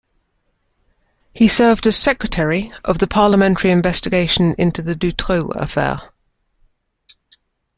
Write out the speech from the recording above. He served as secretary of the parliamentary investigation into the Dutroux Affair.